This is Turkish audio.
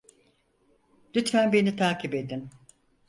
Lütfen beni takip edin.